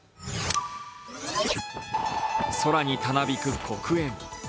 空にたなびく黒煙。